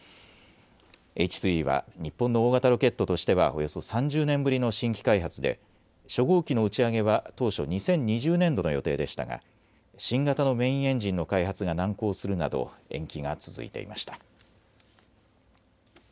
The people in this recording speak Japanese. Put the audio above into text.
Ｈ３は日本の大型ロケットとしてはおよそ３０年ぶりの新規開発で初号機の打ち上げは当初２０２０年度の予定でしたが新型のメインエンジンの開発が難航するなど延期が続いていました。